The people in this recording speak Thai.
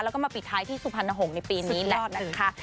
แล้วก็มาปิดท้ายที่สุพรรณหงษ์ในปีนี้แหละนะคะ